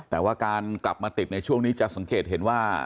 แต่ว่าการกลับมาติดในช่วงนี้จะสังเกตเห็นว่า